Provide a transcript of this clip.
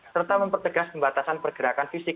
serta mempertegas pembatasan pergerakan fisik